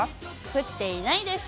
降っていないです。